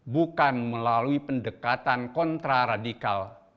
bukan melalui pendekatan kontraradikal